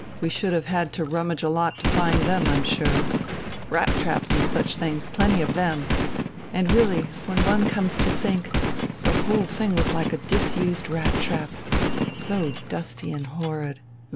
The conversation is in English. We should have had to rummage a lot to find them, I'm sure. Rat traps and such things, plenty of them. And really, when one comes to think, the whole thing was like a disused rat trap, so dusty and horrid